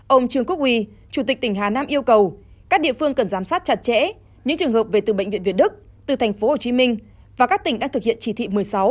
ông trương quốc huy chủ tịch tỉnh hà nam yêu cầu các địa phương cần giám sát chặt chẽ những trường hợp về từ bệnh viện việt đức từ thành phố hồ chí minh và các tỉnh đã thực hiện chỉ thị một mươi sáu